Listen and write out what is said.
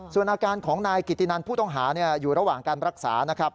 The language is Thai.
ส่วนอาการของนายกิตินันผู้ต้องหาอยู่ระหว่างการรักษานะครับ